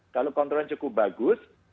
kalau kontrolnya cukup bagus